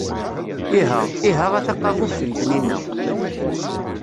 Iha, iha a taqabubt n tnina.